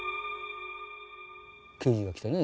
刑事が来てね。